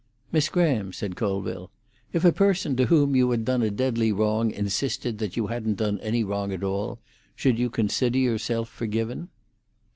"Miss Graham," said Colville, "if a person to whom you had done a deadly wrong insisted that you hadn't done any wrong at all, should you consider yourself forgiven?"